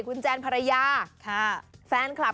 คุณแจนภรรยา